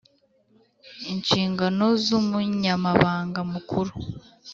Inshingano z umunyabanga mukuru